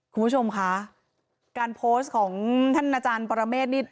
คุณผู้ชมคะการโพสต์ของท่านอาจารย์ปรเมฆนี่